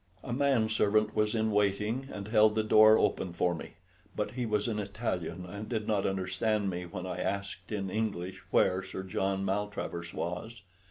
A man servant was in waiting, and held the door open for me; but he was an Italian, and did not understand me when I asked in English where Sir John Maltravers was.